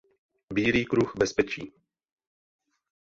Bílý kruh bezpečí.